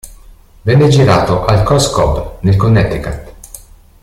Venne girato a Cos Cob, nel Connecticut.